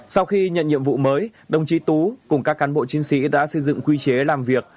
sau khi nhận nhiệm vụ mới đồng chí tú cùng các cán bộ chiến sĩ đã xây dựng quy chế làm việc